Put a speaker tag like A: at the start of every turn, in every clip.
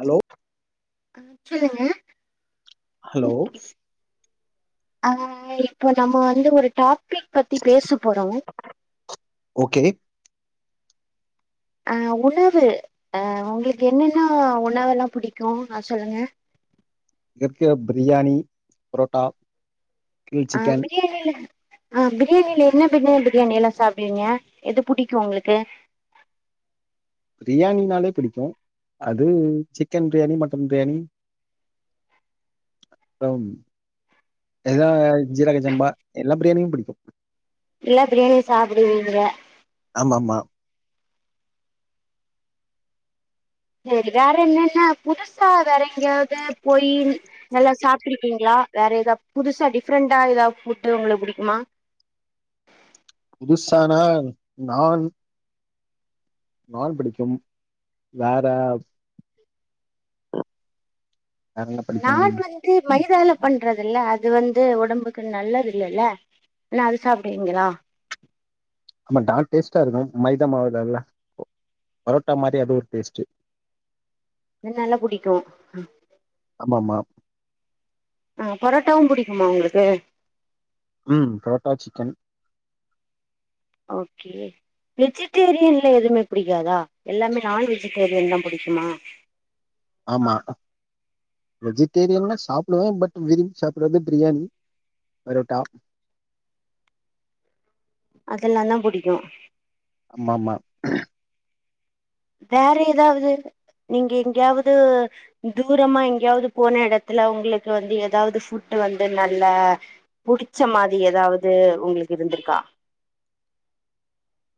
A: Hello
B: ஆ சொல்லுங்க
A: hello
B: ஆ இப்போ நம்ம வந்து ஒரு டாபிக் பத்தி பேச போறோம்
A: ஓகே
B: ஆ உணவு உங்களுக்கு என்னென்ன உணவுெல்லாம் பிடிக்கும் ஆ சொல்லுங்கள்
A: எப்டியோ பிரியாணி பரோட்டா
B: ஆ பிரியாணில ஆ பிரியாணியில என்ன பிர பிரியாணி எல்லாம் சாப்பிடுவீங்க எது பிடிக்கும் உங்களுக்கு
A: பிரியாணினாலே பிடிக்கும் அது சிக்கன் பிரியாணி மட்டன் பிரியாணி ஆம் எதுதா ஜீரக சம்பா எல்லா பிரியாணியும் பிடிக்கும்
B: எல்லா பிரியாணியும் சாப்பிடுவீங்க
A: ஆமாமா
B: செரி வேற என்னன்னா புதுசா வேற எங்கயாவது போய் நல்லா சாப்பிட்டு இருக்கீங்களா வேற ஏதாவது புதுசா டிஃப்ரெண்டண்டா ஏதாவது ஃபுட்டு உங்களுக்கு புடிக்குமா
A: புதுசான்னா நான் நான் பிடிக்கும் வேற வேற என்ன பிடிக்கும்
B: நான் வந்து மைதால பண்றது இல்ல அது வந்து உடம்புக்கு நல்லது இல்லல்ல ஆனா அது சாப்பிடுவீங்களா
A: ஆமா நான் டேஸ்ட்டா இருக்கும் மைதா மாவுல்ல பரோட்டா மாதிரி அது ஒரு டேஸ்ட்டு
B: நல்லா புடிக்கும்
A: ஆமாமா
B: ஆ பொரோட்டாவும் புடிக்குமா உங்களுக்கு
A: ம் புரோட்டா சிக்கன்
B: ஓகே வெஜிடேரியன்ல எதுவுமே புடிக்காதா எல்லாமே நான் வெஜிடேரியன் தான் புடிக்குமா
A: ஆமா வெஜிடேரியனா சாப்பிடுவேன் பட் விரும்பி சாப்பிடடுறது பிரியாணி பரோட்டா
B: அதெல்லாம் தான் புடிக்கும்
A: ஆமாமா
B: வேற ஏதாவது நீங்க எங்கயாவது தூரமா எங்கயாவது போன இடத்துல உங்களுக்கு வந்து ஏதாவது ஃபுட் வந்து நல்ல புடிச்ச மாதிரி ஏதாவது உங்களுக்கு இருந்திருக்கா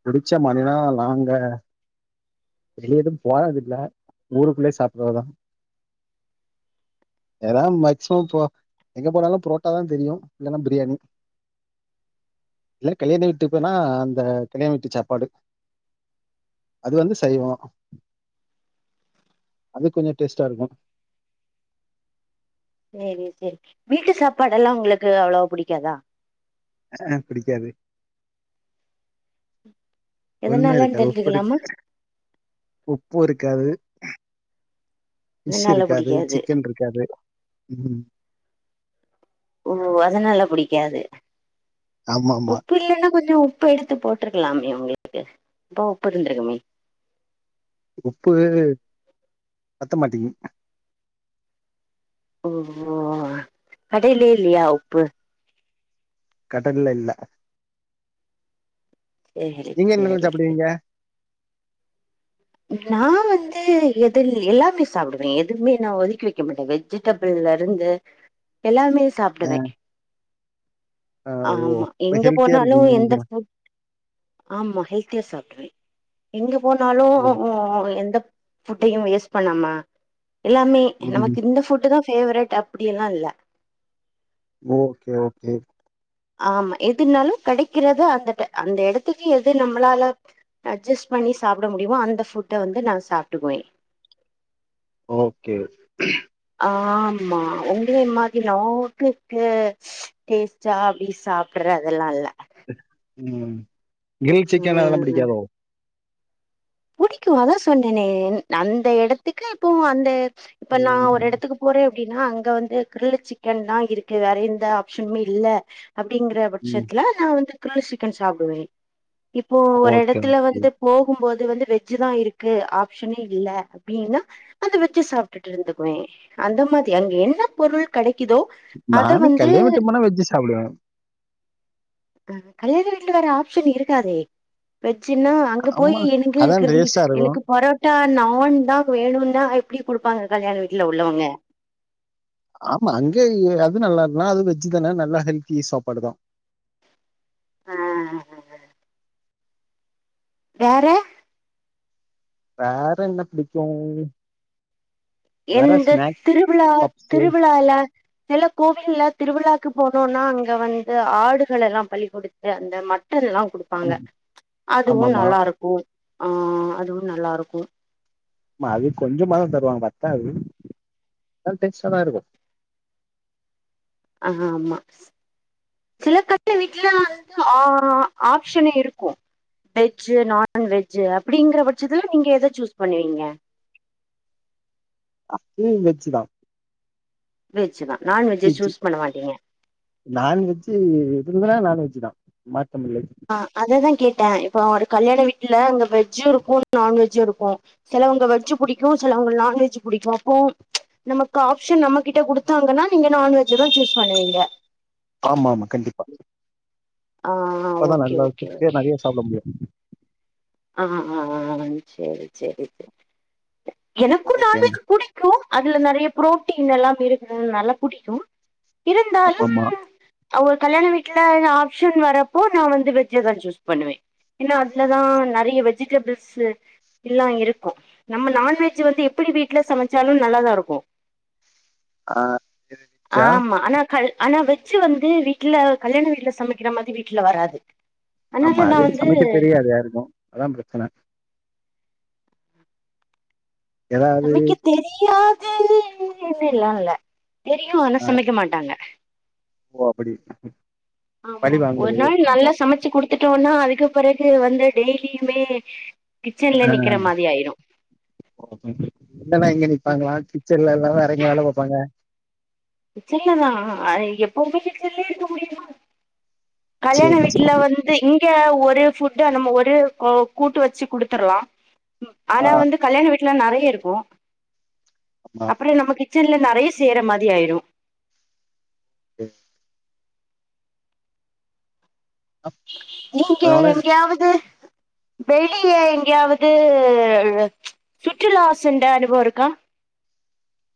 A: புடிச்ச மாணினா நாங்க வெளிய ஏதும் போனது இல்ல ஊருக்குள்ளயே சாப்பிடறதுதான் ஏதான் மேக்சிமம் இப்ப எங்க போனாலும் புரோட்டா தான் தெரியும் இல்லைன்னா பிரியாணி இல்ல கல்யாண வீட்டு போனா அந்த கல்யண வீட்டு சாப்பாடு அது வந்து சைவோ அது கொஞ்ச டேஸ்டா இருக்கு
B: சேரி சேரி வீட்டு சாப்பாடெல்லா உங்களுக்கு அவ்வளவா புடிக்காதா
A: ஆ பிடிக்காது ஒண்ணு
B: எதனாலன்னு
A: இருக்காது உப்பிருக்
B: தெரிஞ்சுக்கலாமா
A: உப்பு இருக்காது ஃபிஷ்
B: அதனால
A: இருக்காது
B: புடிக்காது
A: சிக்கன் இருக் காது ம்
B: ஓ அதனால புடிக்காது
A: ஆமாமா
B: உப்பு இல்லேனா கொஞ்ச உப்பு எடுத்து போட்ருக்கலாம்ல உங்களுக்கு அப்போ உப்பு இருந்திருக்குமே
A: உப்பு பத்த மாட்டிங்து
B: ஓ கடைலயே இல்லையா உப்பு
A: கடல்ல இல்ல
B: சேரி
A: நீங்க என்னல்லா
B: சேரி செ
A: சாப்பிடுவீங்க
B: நா வந்து எதி எல்லாமே சாப்பிடுவே எதுமே நா ஒதுக்கி வெக்க மாட்டே வெஜ் ஜிடபிள்ல இருந்து எல்லாமே
A: ஆ
B: சாப்டுவே
A: ஆ ஓ
B: ஆமா
A: இப்ப
B: எங்க
A: ஹெல்த்தியா
B: போனாலு
A: இருக்கீங்க
B: எந்த
A: நீங்க
B: ஃபுட் ஆமா ஹெல்தியா சாப்டுவே எங்க போனாலு
A: ஓ
B: எந்த ஃபுட்டையு வேஸ்ட் பண்ணாமா எல்லாமே
A: ம்
B: நமக்கு இந்த ஃபுட்டுதா ஃபேவரட் அப்படியெல்லா இல்ல
A: ஓகே ஓகே
B: ஆமா எதுனாலு கெடைக்கறத அந்த அந்த எடத்துக்கு எது நம்மளால அட்ஜஸ் பண்ணி சாப்பிட முடியுமோ அந்த ஃபுட்ட வந்து நா சாப்ட்டுக்குவே
A: ஓகே
B: ஆமா உங்களே மாதிரி நோக்குக்கு டேஸ்டா அப்டி சாப்படுறதெல்லா இல்ல
A: ம் கிரில் சிக்கன் அதல்லா பிடிக்காதோ
B: புடிக்கு அதா சொன்னேனே அந்த எடத்துக்கு இப்போ அந்த இப்ப நா ஒரு
A: ம்
B: எடத்துக்கு போறே அப்படின்னா அங்க வந்து கிருல் சிக்கன்தா இருக்கு வேற எந்த ஆப்ஷனுமே இல்ல அப்படிங்கிற
A: ம்
B: பட்சத்துல நா வந்து கிருல் சிக்கன் சாப்பிடுவே இப்போ ஒரு
A: ஓகே,
B: எடத்துல
A: ஓகே.
B: வந்து போகும்போது வந்து வெஜ்ஜுதா இருக்கு ஆப்ஷனே இல்ல அப்படின்னா அத வெச்சு சாப்ட்டுட்டு இருந்துக்குவே அந்த மாதி அங்க என்ன பொருள் கெடைக்குதோ அத
A: நானு
B: வந்து
A: கல்யாண விட்டுக்கு போனா வெஜ்ஜு சாப்புடுவே
B: ஆ கல்யாண வீட்ல வேற ஆப்ஷன் இருக்காதே வெஜ்ஜுன்னா அங்க
A: அம்மா
B: போயி எனக்கு
A: அதான்
B: கிரில்
A: டேஸ்ட்டா இருக்கும்.
B: எனக்கு பரோட் டா நான்தா வேணுன்னா எப்டி குடுப்பாங்க கல்யாண வீட்ல உள்ளவங்க
A: ஆமா அங்கே அது நல்லதுதா அது வெஜ் தானே நல்லா ஹெல்தி சாப்பாடுதா
B: ஆ வேற
A: வேற என்ன பிடிக்கு
B: எந்த திருவிழா
A: பப்ஸு
B: திருவிழால சில கோவில்ல திருவிழாக்கு போனோனா அங்க வந்து ஆடுகள் எல்லா பலி கொடுத் து அந்த மட்டனல்லா குடுப்பாங்க
A: ஆம்
B: அதுவு
A: ஆமாமா.
B: நல்லாருக் ஒ ஆ அதுவு நல்லா இருக்கு
A: அது கொஞ்சமாதா தருவாங்க பத்தாது அது டேஸ்டாதாருக்கு
B: ஆ ஹா ஆமா சில கட்ல வீட்லல்லா வந்து ஆ ஆப்ஷனே இருக்கு வெஜ்ஜு நான்வெஜு அப்படிங்கற பட்சத்துல நீங்க எத சூஸ் பண்ணுவீங்க
A: அப்பவு வெஜ்ஜுதா
B: வெஜ் தா
A: ச்சீ
B: நான்வெஜ்ஜை
A: ச்சீ
B: சூஸ் பண்ண மாட்டிங்க
A: நான்வெஜ்ஜு வெஜ்ஜினா நான்வெஜ் தா மாற்றமில்லை
B: ஆ அததா கேட்டே இப்போ ஒரு கல்யாண வீட்ல அங்க வெஜ்ஜு இருக்கு நான்வெஜ்ஜு இருக்கு செலவங்க வெஜ் புடிக்கு செலவங்கள் நான்வெஜ் புடிக்கு அப்போ நமக்கு ஆப்ஷன் நம்ம கிட்ட குடுத்தாங்கன்னா நீங்க நான்வெஜ தா சூஸ் பண்ணுவீங்க
A: ஆமாமா கண்டிப்பா
B: ஆ
A: அப்பதா
B: ஓகே
A: நல்லா
B: ஓகே
A: திர்ப்தியா
B: ஓகே
A: நறைய சாப்புட முடியு
B: அ ஆம் செரி செரி செரி எ எனக்கு
A: ஓகேங்க.
B: நான்வெஜு புடி கு அதுல நறைய பு புரோட்டின் எல்லாம் இருக்குறனாலா புடிக்கு இருந்தாலும்
A: ஆமாமா.
B: அவுங்க கல்யாண வீட்ல ஆப்ஷன் வரப்போ நா வந்து வெஜ்ஜதா சூஸ் பண்ணுவே ஏன்னா அதுலதா நறைய வெஜிடப்ள்ஸு ல்லாதா இருக்கு நம்ம நான்வெஜ்ஜ வந்து எப்பிடி வீட்ல சமைச்சாலு நல்லாதாருக்கு
A: ச்சா
B: ஆமா அனா கள் ஆனா வெஜ்ஜு வந்து வீட்ல கல்யாண வீட்ல சமைக்கிற மாதிரி வீட்ல வராது
A: ஆமா
B: அதனால நா
A: அது
B: வந்து
A: சமைக்க தெரியாது யாருக்கு அதா பிரச்சன ஏன்னா அது
B: தெரியாதுன்னுன்னலால்ல தெரியு ஆனா
A: ஆ
B: சமைக்க மாட்டாங்க
A: ஓ அப்பிடி
B: ஆமாம் ஒரு நாள் நல்லா சமைச்சு குடுத்துட்டோனா அதுக்கு பிறகு வந்த டெய்லியுமே கிச்சன்ல
A: அ
B: நிக்கிற மாரி ஆயிரு
A: ஓகே இங்க தா இங்க நிப்பாங்க கிச்சன்னல்லல்லா எறங்கி வேல பாப்பாங்க
B: கிச்சன்லதா அ எப்பவுமே கிச்சன்லே இருக்க முடியுமா கல்யாண
A: சரி சரி
B: வீட்ல வந் து இங்க ஒரே ஃபுட்டு நம்ம ஒரே கோ கூட்டு வச்சு குடுத்தர்லா ம்
A: ஆ
B: ஆனா வந்து கல்யாண வீட்ல நறைய இருக்கு
A: ஆமா
B: அப்புறோ நம்ம கிச்சன்ல நறைய செய்ற மாரி ஆயிரு
A: ம்
B: நீங்க
A: அதனால
B: எங்கேயாவது வெளில எங்கேயாவது சுற்றுலா சென்ற அனுபவோருக்கா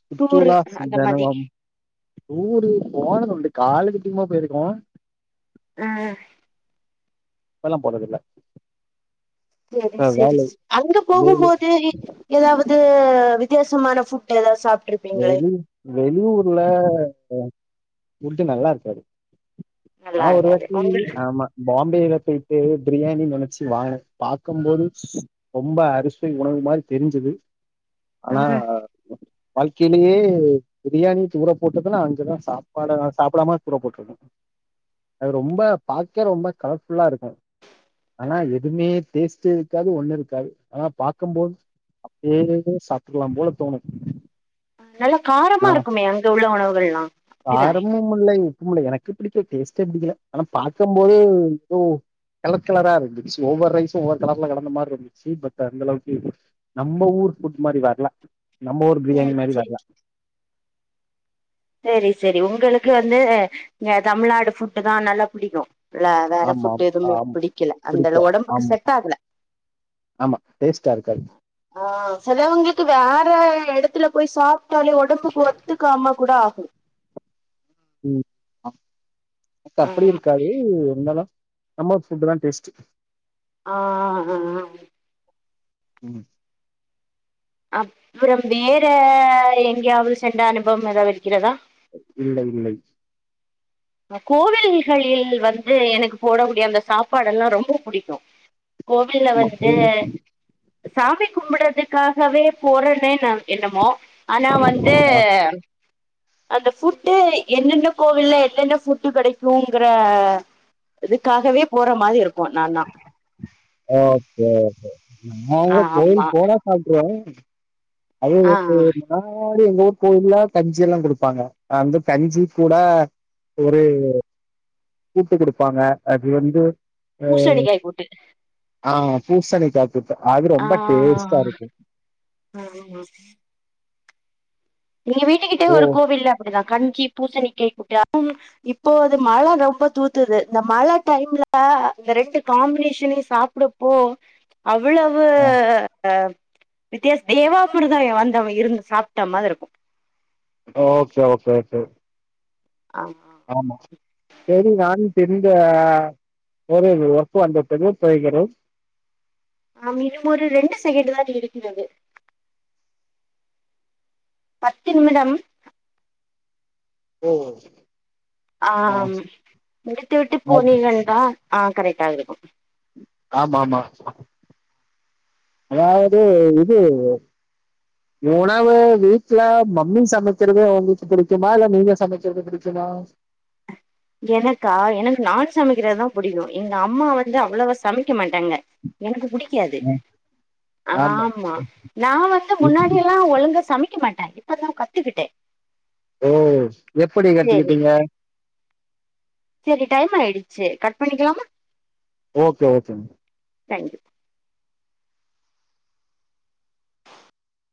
A: சுற்றுலா சென்ற
B: மாதி
A: அனுபவோ முன்னாடி போனதுண்டு காலேஜ் டீமா போயிருக்கோ
B: ஆ
A: இப்பல்லா போறதுல்ல
B: சேரி சேரி சேர் அங்க போகும்
A: வேலை
B: போது ஏதாவது வித்தியாசமான ஃபுட் ஏதாவது சாப்ட்டுருக்
A: வெளி வெளியூர்ல அ ஃபுட்டு நல்லாருக்காது
B: நல்லா
A: அஆனா ஒரு
B: இருக்காது
A: வாட்டி
B: உங்களுக்கு
A: ஆமா பாம்பேல போயிட்டு பிரியாணி நெனைச்சு வாங்கனே பாக்கும் போது ரொம்ப அருசுவை உணவு மாரி தெரிஞ்சது
B: ஆ
A: ஆனா வாழ்க்கையிலயே பிரியாணி தூர போட்டதுன்னா அங்க தா சாப்பாட நா சாப்படாம தூர போட்ருக்கோ அது ரொம்ப பாக்கே ரொம்ப கலர்ஃபுல்லா இருக்கும் ஆனா எதுமே டேஸ்ட்டு இருக்காது ஒண்ணும் இருக்காது ஆனா பாக்கம்போது அப்டியே சாப்ருக்கலா போல தோணு
B: நல்லா காரமா இருக்குமே அங்க உள்ள உணவுகள்லா அப்டிதானே
A: காரமும் இல்லை உப்பும் இல்லை எனக்கு பிடிக்கல டேஸ்ட்டே புடிக்கல ஆனா பாக்கும் போதே எதோ கலர் கலரா இருந்துச்சு ஒவ்வொரு ரைஸ்சும் ஒவ்வொரு கலர்ல கலந்த மாறி இருந்துச்சு பட் அந்தளவுக்கு நம்ம ஊர் ஃபுட் மாறி வர்ல நம்ம ஊர்
B: சேரி
A: பிரியாணி மாற்
B: சேரி
A: வர்ல
B: சேரி சேரி உங்களுக்கு வந்து இங்க தமிழ்நாடு ஃபுட்டு் தா நல்லா புடிக்கும் இல்ல வேற
A: ஆமாம்,
B: ஃபுட் எதுமே
A: ஆம்.
B: புடிக்கல அந்தளவு
A: பிடிக்காது.
B: ஒடம்புக்கு
A: ஆம்,
B: செட் ஆகல
A: ஆமா டேஸ்ட்டா இருக்காது
B: ஆ சிலவங்களுக்கு வேற இடத்துல போய் சாப்பிட்டாலு ஒடம்புக்கு ஒத்துக்காம கூட ஆகும்
A: ம் எனக்கு அப்டி
B: ஆமா
A: இருக்காது இருந்தாலு நம்ம ஃபுட்டு தா டேஸ்ட்டு
B: ஆ ஆ அ அ
A: ம்
B: அப்புறம் வேற எங்கயாவது சென்ற அனுபவம் ஏதாவது இருக்கிறதா
A: இல்லை இல்லை
B: கோவில்களில் வந்து எனக்கு போடக்கூடிய அந்த சாப்பாடெல்லா ரொம்ப புடிக்கும் கோவில்ல
A: ஆமா.
B: வந்து சாமி கும்பிட்றதுக்காகவே போறனே என்னமோ ஆனா வந்து
A: ஆ.
B: அந்த ஃபுட்டு என்னென்ன கோவில்ல என்னென்ன ஃபுட்டு் கிடைக்குங்கிற இதுக்காகவே போற மாறி இருக்கு இப்போ நாந்தா
A: ஓக்கே ஓக்கே நா
B: ஆ
A: கூட கோயில்
B: ஆமா
A: போனா சாப்ட்ருவே அதும்
B: ஆ
A: வந்து நா அப்டியே எங்க ஊர் கோவில்ல கஞ்சி எல்லா குடுப்பாங்க அந்த கஞ்சிக் கூட ஊரே கூட்டு குடுப்பாங்க அது வந்து அ
B: பூசணிக்காய் கூட்டு
A: ஆ பூசணிக்கா கூட்டு அது ரொம்ப டேஸ்டா இருக்கும்
B: அ ஆமா எங்க வீட்டுக்கிட்ட
A: ஓ!
B: ஒரு கோவில்ல அப்படிதா கஞ்சி பூசணிக்கை கூட்டு அப்பறம் இப்போ அது மழை ரொம்ப தூத்துது இந்த மழை டைம்ல இந்த ரெண்டு காம்பினேஷனையு சாப்ட் ப்டப்போ அவ்ளோ
A: அ
B: அ வித்தியாச தேவா மிருதம் வந்தவ இருந்து சாப்ட்ட மாதிரி இருக்கும்
A: ஓக்கே ஓக்கே ஓக்கே
B: ஆமா
A: ஆமா சேரி நானு தெரிஞ்ச பிறகு ஒர்க் வந்ததுக்கு தேய்கிறோம்
B: ஆம் இன்னும் ஒரு ரெண்டு செகண்ட் தான் இருக்கிறது பத்து நிமிடம்
A: ஓ ஆ.
B: ஆம் முடித்து விட்டு போனிங்கள்னா ஆ கரெக்டாக இருக்கும்
A: ஆமா ஆமா அதாவது இது உணவு வீட்டு்ல மம்மி சமைக்கிறது உங்களுக்கு பிடிக்குமா இல்ல நீங்க சமைக்கிறது பிடிக்குமா
B: எனக்கா எனக்கு நா சமைக்கிறதுதா புடிக்கு எங்க அம்மா வந்து அவ்வளவா சமைக்க மாட்டாங்க எனக்கு புடிக்காது
A: ஆ
B: ஆமா நா வந்து முன்னாடியல்லா ஒழுங்கா சமைக்க மாட்டே இப்ப நா கத்துக்கிட்டே
A: ஓ எப்படி கத்துக்கிட்டீங்க
B: செரி டைம் ஆயிடுச்சு கட் பண்ணிக்கலாமா
A: ஓகே ஓகே ம
B: தேங்க்யூ